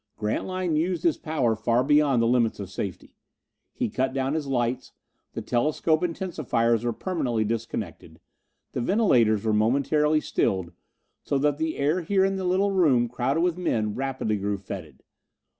Grantline used his power far beyond the limits of safety. He cut down his lights; the telescope intensifiers were permanently disconnected; the ventilators were momentarily stilled, so that the air here in the little room crowded with men rapidly grew fetid.